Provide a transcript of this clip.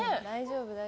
大丈夫